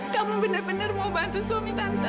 kamu bener bener mau bantu suami tante